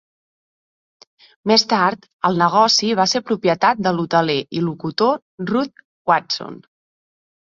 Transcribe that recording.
Més tard, el negoci va ser propietat de l'hoteler i locutor Ruth Watson.